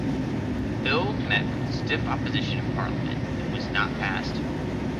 The bill met with stiff opposition in Parliament, and was not passed.